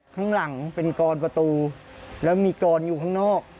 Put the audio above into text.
ข้างหลังเป็นกรอนประตูแล้วมีกรอยู่ข้างนอก